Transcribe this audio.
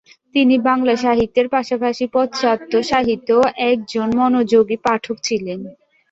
তিনি বাংলা সাহিত্যের পাশাপাশি পাশ্চাত্য সাহিত্যেরও একজন মনোযোগী পাঠক ছিলেন।